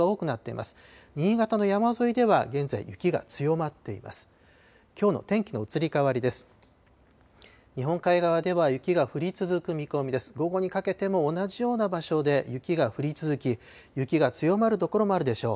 午後にかけても同じような場所で雪が降り続き、雪が強まる所もあるでしょう。